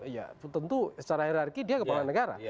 ya tentu secara hirarki dia kepala negara